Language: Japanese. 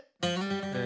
え